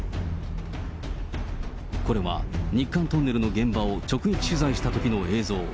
これは、日韓トンネルの現場を直撃取材したときの映像。